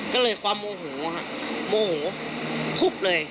ก็เลยความโมโหฮะโมโหทุบเลย